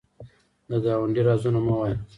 د ګاونډي رازونه مه وایه